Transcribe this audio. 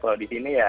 kalau di sini ya